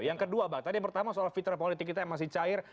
yang kedua pak tadi pertama soal fitrah politik kita yang masih cair